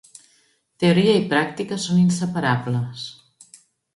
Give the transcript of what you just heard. Teoria i pràctica són inseparables.